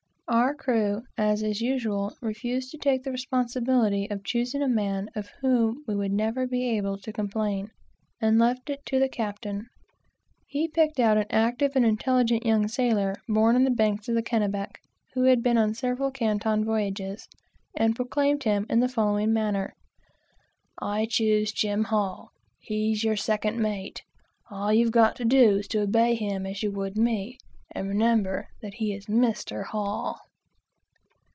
Our crew, as is usual, refused to take the responsibility of choosing a man of whom we would never be able to complain, and left it to the captain. He picked out an active and intelligent young sailor, born near the Kennebee, who had been several Canton voyages, and proclaimed him in the following manner: "I choose Jim Hall he's your second mate. All you've got to do is, to obey him as you would me; and remember that he is Mr. Hall."